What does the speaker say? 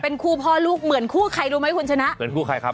เป็นคู่พ่อลูกเหมือนคู่ใครรู้ไหมคุณชนะ